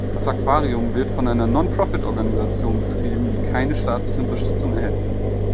Das Aquarium wird von einer Non-Profit-Organisation betrieben, die keine staatliche Unterstützung erhält.